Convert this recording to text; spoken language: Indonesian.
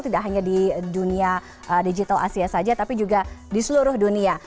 tidak hanya di dunia digital asia saja tapi juga di seluruh dunia